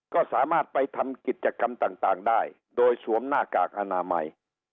ก็สามารถไปทำกิจกรรมต่างได้โดยสวมหน้ากากอนามัย